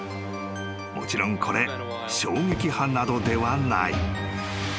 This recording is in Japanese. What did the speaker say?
［もちろんこれ衝撃波などではない］